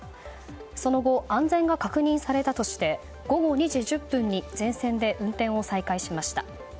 その後、安全が確認されたとして午後２時１０分に全線で運転を再開しました。